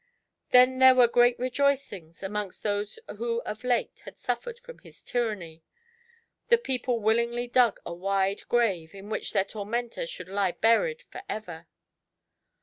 Then were there great rejoicings amonjgst those who of late had suffered from his tyranny. The people willingly dug a wide grave in which their tormentor should lie buried for ever.